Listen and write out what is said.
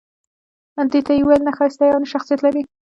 دې ته يې وويل نه ښايسته يې او نه شخصيت لرې